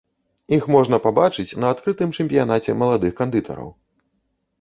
Іх можна пабачыць на адкрытым чэмпіянаце маладых кандытараў.